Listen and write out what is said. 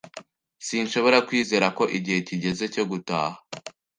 Sinshobora kwizera ko igihe kigeze cyo gutaha.